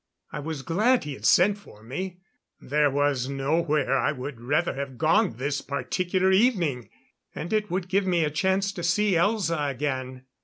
I was glad he had sent for me there was nowhere I would rather have gone this particular evening. And it would give me a chance to see Elza again.